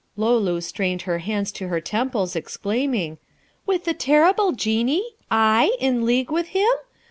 Luloo strained her hands to her temples, exclaiming, 'With the terrible Genie? I? in league with him?